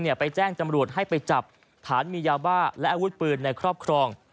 ไปแจ้งจำรวจให้ไปจับฐานมียาบ้าและอาวุธปืนในครอบครอง